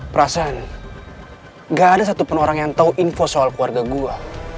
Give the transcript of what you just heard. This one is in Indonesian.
perasaan gak ada satupun orang yang tahu info soal keluarga gue